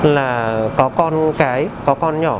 là có con cái có con nhỏ